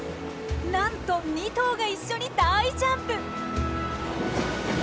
なんと２頭が一緒に大ジャンプ！